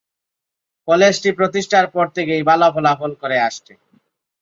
কলেজটি প্রতিষ্ঠার পর থেকেই ভাল ফলাফল করে আসছে।